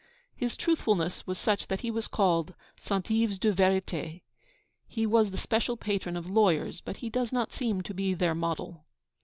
His truthfulness was such that he was called 'St. Yves de vérité.' He was the special patron of lawyers, but he does not seem to be their model.